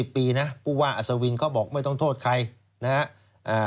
๓๐ปีนะปุ่นว่าอสวิงเขาบอกไม่ต้องโทษใครนะฮะ